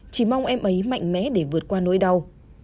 chỉ mong em ấy mạnh mẽ để vượt qua nỗi đau